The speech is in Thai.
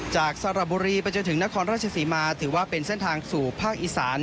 สระบุรีไปจนถึงนครราชศรีมาถือว่าเป็นเส้นทางสู่ภาคอีสาน